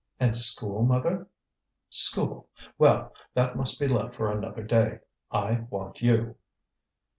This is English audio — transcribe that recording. "And school, mother?" "School! well, that must be left for another day: I want you."